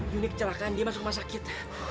unit kecelakaan dia masuk rumah sakit